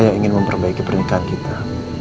saya ingin memperbaiki pernikahan kita